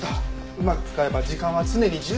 うまく使えば時間は常に十分にある。